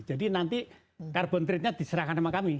jadi nanti carbon trade nya diserahkan sama kami